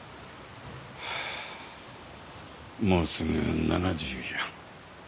もうすぐ７０や。